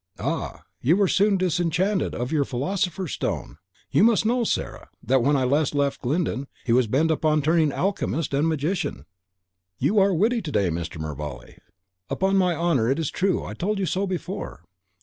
"Ah, you were soon disenchanted of your Philosopher's Stone! You must know, Sarah, that when I last left Glyndon, he was bent upon turning alchemist and magician." "You are witty to day, Mr. Mervale." "Upon my honour it is true, I told you so before."